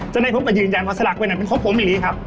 จะได้พบกับยืนยันว่าสลากไปนั่นเป็นของผมอีกเลยครับ